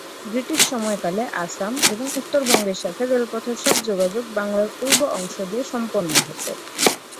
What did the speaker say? British সময়কালে আসাম এবং উত্তরবঙ্গের সাথে রেলপথের সব যোগাযোগ বাংলার পূর্ব অংশ দিয়ে সম্পন্ন হতো।